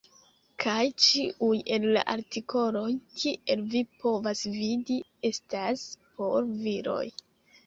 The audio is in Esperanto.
Kaj ĉiuj el la artikoloj, kiel vi povas vidi, estas por viroj.